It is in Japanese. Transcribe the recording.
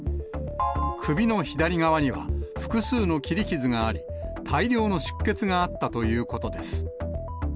首の左側には、複数の切り傷があり、大量の出血があったということです。